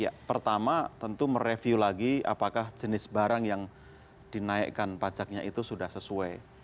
ya pertama tentu mereview lagi apakah jenis barang yang dinaikkan pajaknya itu sudah sesuai